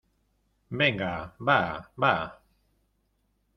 venga, va , va.